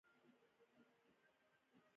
د هیلیم څلور په ستورو کې جوړېږي.